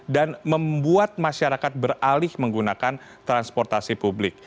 dan membuat masyarakat beralih menggunakan transportasi publik